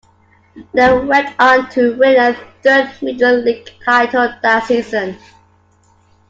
They went on to win a third Midland League title that season.